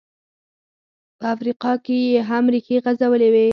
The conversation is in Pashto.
په افریقا کې یې هم ریښې غځولې وې.